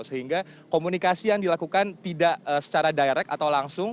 sehingga komunikasi yang dilakukan tidak secara direct atau langsung